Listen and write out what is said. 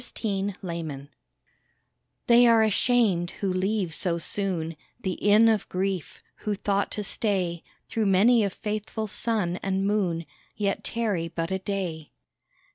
TRANSIENTS They are ashamed who leave so soon The Inn of Grief who thought to stay Through many a faithful sun and moon, Yet tarry but a day.